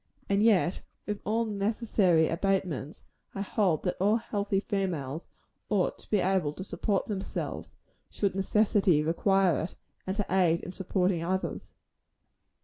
And yet, with all necessary abatements, I hold that all healthy females ought to be able to support themselves, should necessity require it, and to aid in supporting others.